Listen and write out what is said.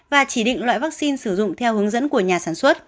và chỉ định loại vắc xin sử dụng theo hướng dẫn của nhà sản xuất